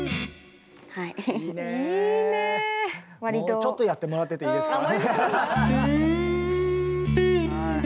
もうちょっとやってもらってていいですか？